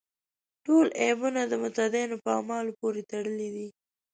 ټول عیبونه د متدینو په اعمالو پورې تړلي دي.